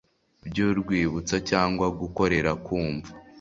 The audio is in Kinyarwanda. by urwibutso cyangwa gukorera ku mva